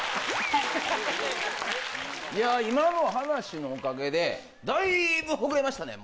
いや今の話のおかげでだいぶほぐれましたね